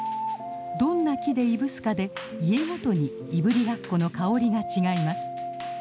どんな木でいぶすかで家ごとにいぶりがっこの香りが違います。